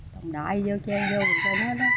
trồng đại vô trang vô trồng hết hết hết